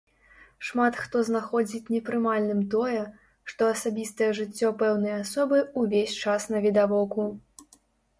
Шмат хто знаходзіць непрымальным тое, што асабістае жыццё пэўнай асобы ўвесь час навідавоку.